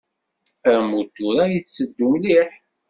Amutur-a itteddu mliḥ.